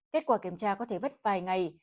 kết quả kiểm tra có thể vất vài ngày